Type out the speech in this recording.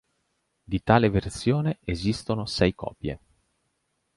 Di tale versione esistono sei copie.